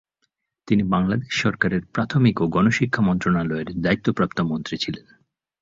তিনি বাংলাদেশ সরকারের প্রাথমিক ও গণশিক্ষা মন্ত্রণালয়ের দায়িত্বপ্রাপ্ত মন্ত্রী ছিলেন।